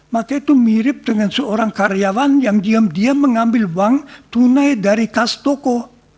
maka itu mirip dengan seorang karyawan yang diam diam mengambil uang tunai dari kas toko